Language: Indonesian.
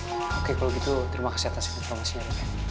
oke kalau gitu terima kasih atas informasinya